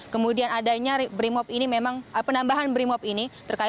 kemudian adanya bremot ini memang penambahan bremot ini